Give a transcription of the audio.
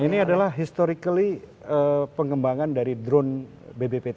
ini adalah historically pengembangan dari drone bbpt